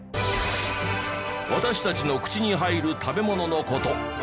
私たちの口に入る食べ物の事